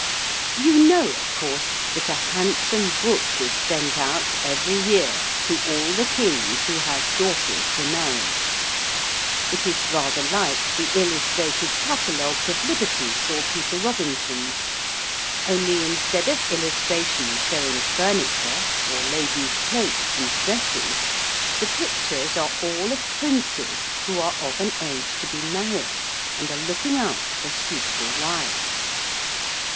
You know, of course, that a handsome book is sent out every year to all the kings who have daughters to marry. It is rather like the illustrated catalogues of Liberty's or Peter Robinson's, only instead of illustrations showing furniture or ladies' cloaks and dresses, the pictures are all of princes who are of an age to be married, and are looking out for suitable wives.